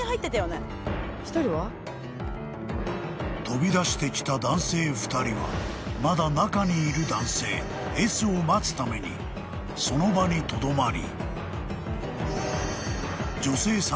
［飛び出してきた男性２人はまだ中にいる男性Ｓを待つためにその場にとどまり］